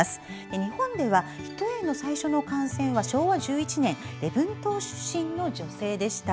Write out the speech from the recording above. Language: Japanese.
日本では人への最初の感染は昭和１１年礼文島出身の女性でした。